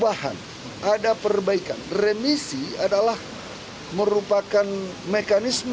salah satu alat yang dilakukan oleh masyarakat yang telah melakukan pembunuhan terhadap wartawan di bali